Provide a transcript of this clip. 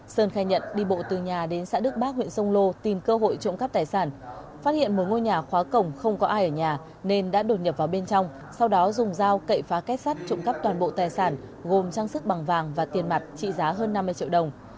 sơn khai nhận đi bộ từ nhà đến xã đức bác huyện sông lô tìm cơ hội trộm cắp tài sản phát hiện một ngôi nhà khóa cổng không có ai ở nhà nên đã đột nhập vào bên trong sau đó dùng dao cậy phá kết sắt trộm cắp toàn bộ tài sản gồm trang sức bằng vàng và tiền mặt trị giá hơn năm mươi triệu đồng